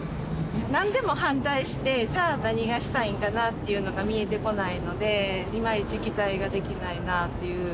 なんでも反対して、じゃあ何がしたいんかなっていうのが見えてこないので、いまいち期待ができないなという。